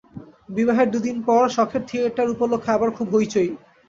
বিবাহের দিন দুই পরে শখের থিয়েটার উপলক্ষে আবার খুব হৈ চৈ!